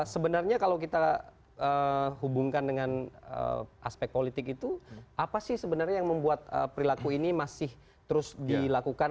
sebenarnya kalau kita hubungkan dengan aspek politik itu apa sih sebenarnya yang membuat perilaku ini masih terus dilakukan